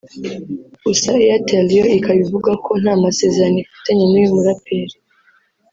gusa Airtel yo ikaba ivuga ko nta masezerano ifitanye n'uyu muraperi